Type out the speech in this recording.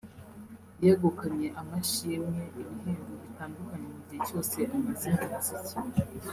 yegukanye amashimwe(ibihembo)bitandukanye mu gihe cyose amaze mu muziki